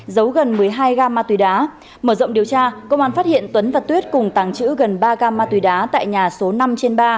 giấu gần một mươi hai gam ma túy đá mở rộng điều tra công an phát hiện tuấn và tuyết cùng tàng trữ gần ba gam ma túy đá tại nhà số năm trên ba